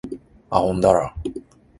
あほんだら